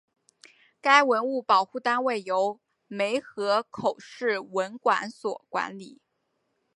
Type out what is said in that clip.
该文物保护单位由梅河口市文管所管理。